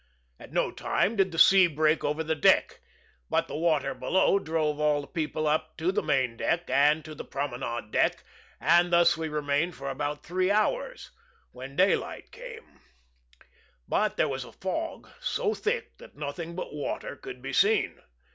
At no time did the sea break over the deck but the water below drove all the people up to the main deck and to the promenade deck, and thus we remained for about three hours, when daylight came; but there was a fog so thick that nothing but water could be seen.